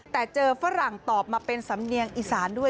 แต่เจอฝรั่งตอบมาเป็นสำเนียงอีสานด้วย